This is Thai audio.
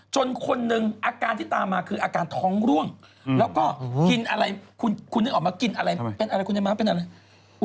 คนหนึ่งอาการที่ตามมาคืออาการท้องร่วงแล้วก็กินอะไรคุณนึกออกมากินอะไรเป็นอะไรคุณไอ้ม้าเป็นอะไร